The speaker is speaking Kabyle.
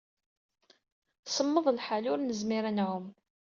Semmeḍ lḥal, ur nezmir ad nɛum.